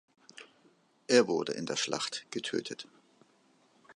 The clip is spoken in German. Er wurde in der Schlacht getötet.